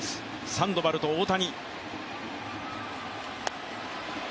サンドバルと大谷。